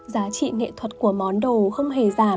giá trị nghệ thuật của món đồ không hề giả